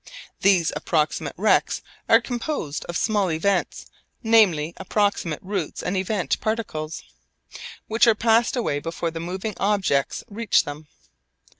These approximate rects are composed of small events, namely approximate routes and event particles, which are passed away before the moving objects reach them.